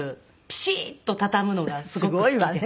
ピシッと畳むのがすごく好きで。